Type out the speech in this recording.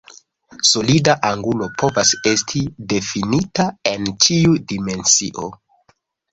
Solida angulo povas esti difinita en ĉiu dimensio.